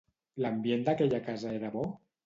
L'ambient d'aquella casa era bo?